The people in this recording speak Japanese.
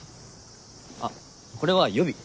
あっこれは予備！